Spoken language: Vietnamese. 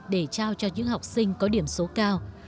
để trao cho những học sinh có điểm số cao